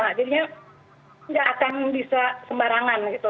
jadinya nggak akan bisa sembarangan gitu